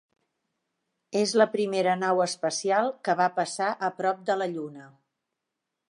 És la primera nau espacial que va passar a prop de la Lluna.